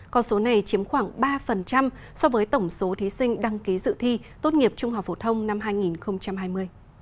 con số này chiếm khoảng ba so với tổng số thí sinh đăng ký dự thi tốt nghiệp trung học phổ thông năm hai nghìn hai mươi